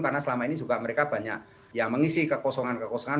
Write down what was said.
karena selama ini juga mereka banyak ya mengisi kekosongan kekosongan